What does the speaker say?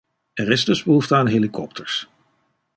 Er is dus behoefte aan helikopters.